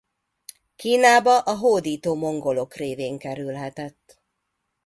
Kínába a hódító mongolok révén kerülhetett.